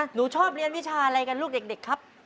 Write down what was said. หนูชอบเรียนวิชาอะไรกันลูกเด็กครับ